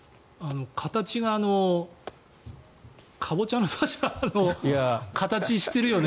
形がカボチャの馬車の形をしてるよね。